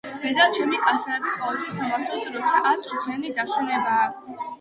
მე და ჩემი კლასელები ყოველთვის ვთამაშობთ როცა ათ წუთიანი დასვენებაა